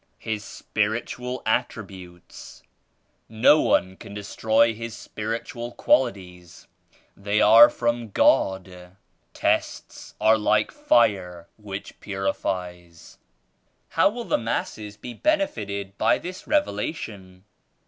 "His spiritual attributes. No one can destroy ,his spiritual qualities; they are from God." "Tests are like fire which purifies." "How will the masses be benefited by this Revelation?"